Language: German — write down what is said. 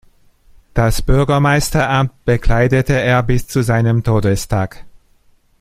Das Bürgermeisteramt bekleidete er bis zu seinem Todestag.